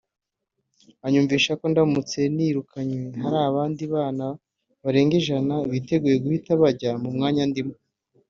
anyumvisha ko ndamutse nirukanwe hari abandi bana barenga ijana biteguye guhita bajya mu mwanya ndimo